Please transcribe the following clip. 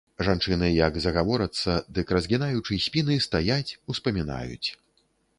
Жанчыны як загаворацца, дык, разгінаючы спіны, стаяць, успамінаюць.